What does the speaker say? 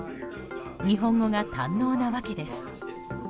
日本語が堪能なわけです。